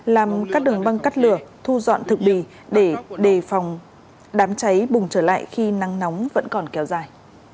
làm các đường băng cắt lửa thu dọn thực bì để đề phòng đám cháy bùng trở lại khi nắng nóng vẫn còn kéo dài